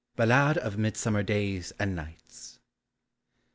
BALLADE OF MIDSUMMER DAYS AND NIGHTS.